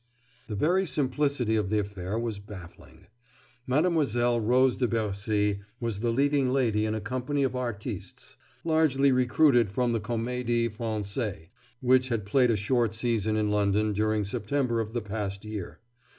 The very simplicity of the affair was baffling. Mademoiselle Rose de Bercy was the leading lady in a company of artistes, largely recruited from the Comédie Française, which had played a short season in London during September of the past year.